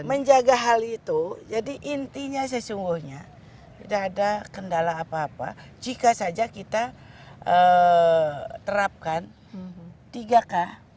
menjaga hal itu jadi intinya sesungguhnya tidak ada kendala apa apa jika saja kita terapkan tiga k